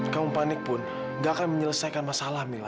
kamu panik pun gak akan menyelesaikan masalah mila